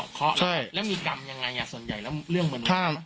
แล้วมีกรรมยังไงส่วนใหญ่เรื่องมันอยู่ไหน